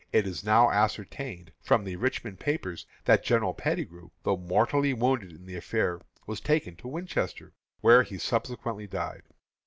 It is now ascertained, from the Richmond papers, that General Pettigrew, though mortally wounded in the affair, was taken to Winchester, where he subsequently died.